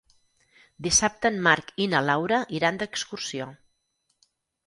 Dissabte en Marc i na Laura iran d'excursió.